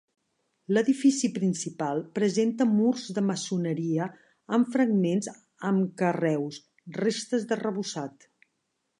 L'edifici principal presenta murs de maçoneria, amb fragments amb carreus, restes d'arrebossat.